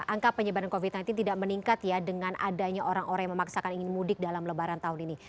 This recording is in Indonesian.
angka penyebaran covid sembilan belas tidak meningkat ya dengan adanya orang orang yang memaksakan ingin mudik dalam lebaran tahun ini